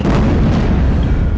kasian kan lo